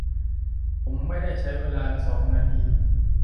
ผมได้ใช้เวลา สอง นาที